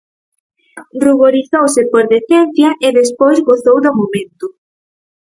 Ruborizouse por decencia e despois gozou do momento.